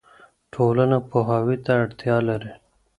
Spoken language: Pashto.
ټولنه پوهاوي ته اړتیا لري.